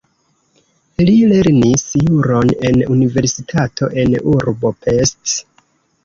Li lernis juron en universitato en urbo Pest.